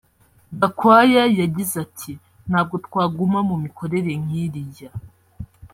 Gakwaya yagize ati “Ntabwo twaguma mu mikorere nk’iriya